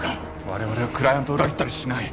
我々はクライアントを裏切ったりしない！